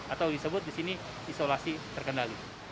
atau disebut di sini isolasi terkendali